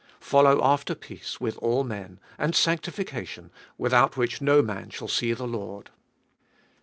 Follow after peace with all men, and sanctification, with out which no man shall see the Lord.